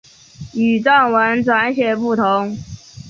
与藏文转写不同。